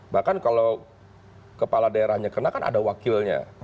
bahkan kalau kepala daerahnya kena kan ada wakilnya